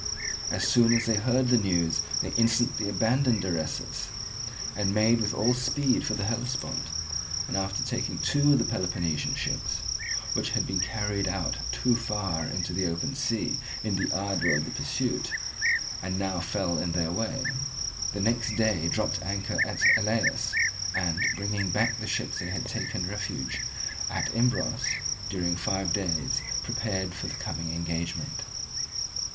As soon as they heard the news they instantly abandoned Eresus, and made with all speed for the Hellespont, and after taking two of the Peloponnesian ships which had been carried out too far into the open sea in the ardour of the pursuit and now fell in their way, the next day dropped anchor at Elaeus, and, bringing back the ships that had taken refuge at Imbros, during five days prepared for the coming engagement.